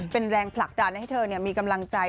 เป็นแรงผลักดันให้เธอมีกำลังใจ